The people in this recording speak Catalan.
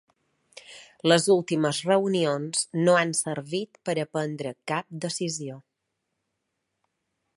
Les últimes reunions no han servit per a prendre cap decisió.